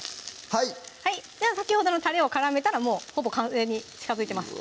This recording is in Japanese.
はい先ほどのたれを絡めたらもうほぼ完成に近づいてます